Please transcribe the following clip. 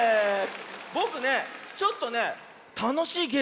ぼくねちょっとねたのしいゲームをおもいついたんだよ。